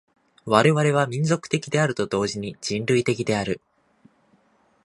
我々は民族的であると同時に人類的である。